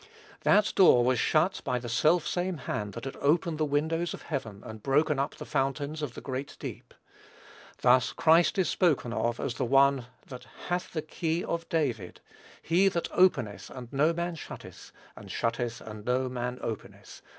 That door was shut by the self same hand that had opened the windows of heaven, and broken up the fountains of the great deep. Thus Christ is spoken of as the One "that hath the key of David, he that openeth and no man shutteth, and shutteth and no man openeth."